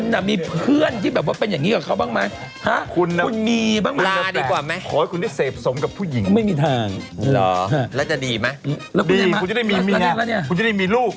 ดีคุณจะได้มีงามคุณจะได้มีลูก